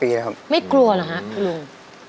ไม่กลัวหรือครับลุง